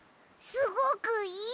すごくいい！